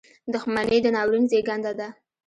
• دښمني د ناورین زېږنده ده.